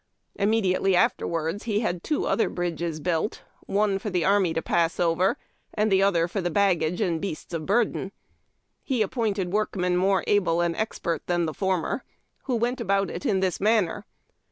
Im mediately afterwards he had two other bridges built, "one for the army to pass over, and the other for the baggage and beasts of burden. He ap pointed workmen more able and expert than the former, who went about it in this man ner.